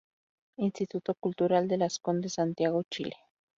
Instituto Cultural de Las Condes, Santiago, Chile.